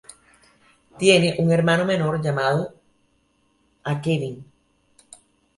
Tiene un hermano menor llamado a Kevin.